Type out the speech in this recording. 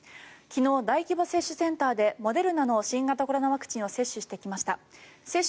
昨日大規模接種センターでモデルナの新型コロナワクチンを接種してきました。